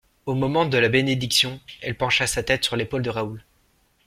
Au moment de la bénédiction, elle pencha sa tête sur l'épaule de Raoul.